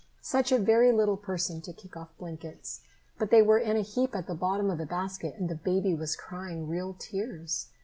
Such a very little person to kick off blankets! But they were in a heap at the bottom of the basket and the baby was crying real tears.